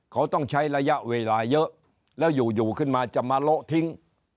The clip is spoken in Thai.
เขาต้องใช้ระยะเวลาเยอะแล้วอยู่ขึ้นมาจะมาโละทิ้ง